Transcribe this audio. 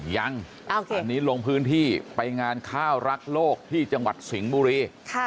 ยังวันนี้ลงพื้นที่ไปงานข้าวรักโลกที่จังหวัดสิงห์บุรี